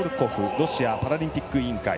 ロシアパラリンピック委員会。